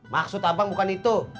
maksud abang bukan itu